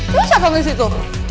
tentu satan disitu